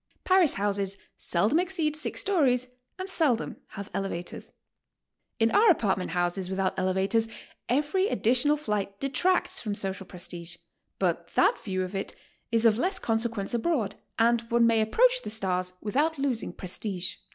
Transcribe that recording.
Paris houses seldom exceed six stories and seldom have elevators. In our apartment houses without elevators every additional flight detracts from social prestige, but that view of it is of less consequence abroad, and one may approach the stars without losing prestige.